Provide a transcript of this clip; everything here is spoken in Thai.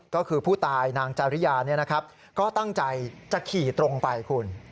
ก็คือผู้ตายนางจาริยาก็ตั้งใจจะขี่ตรงไปคุณ